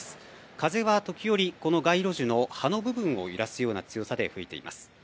風は時折、この街路樹の葉の部分を揺らすような強さで吹いています。